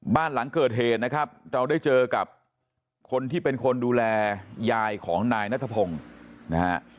บ้านหลังเกิดเหตุนะครับเราได้เจอกับคนที่เป็นคนดูแลยายของนายนัทพงศ์นะฮะ